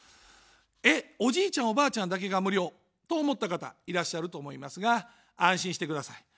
え、おじいちゃん、おばあちゃんだけが無料と思った方いらっしゃると思いますが安心してください。